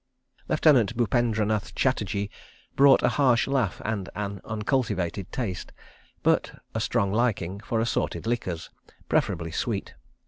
..." Lieutenant Bupendranath Chatterji brought a harsh laugh and an uncultivated taste, but a strong liking, for assorted liquors, preferably sweet.